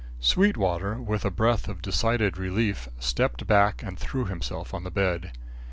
Sweetwater, with a breath of decided relief, stepped back and threw himself on the bed.